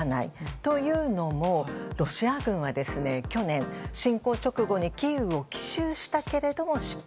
というのもロシア軍は去年、侵攻直後にキーウを奇襲したけれども失敗。